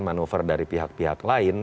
manuver dari pihak pihak lain